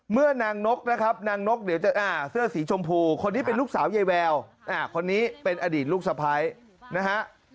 นางนกนะครับนางนกเดี๋ยวจะเสื้อสีชมพูคนนี้เป็นลูกสาวยายแววคนนี้เป็นอดีตลูกสะพ้ายนะฮะ